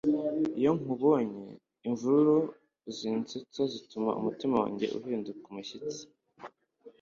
iyo nkubonye, imvururu zinsetsa zituma umutima wanjye uhinda umushyitsi